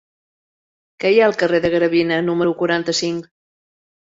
Què hi ha al carrer de Gravina número quaranta-cinc?